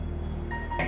tentang apa yang terjadi